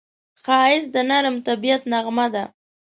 ښایست د نرم طبیعت نغمه ده